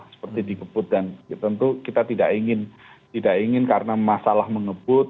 seperti dikebut dan tentu kita tidak ingin karena masalah mengebut